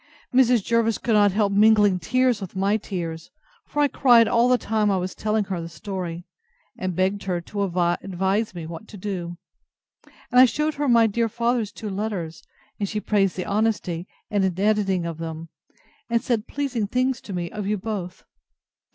Mrs. Jervis could not help mingling tears with my tears; for I cried all the time I was telling her the story, and begged her to advise me what to do; and I shewed her my dear father's two letters, and she praised the honesty and editing of them, and said pleasing things to me of you both.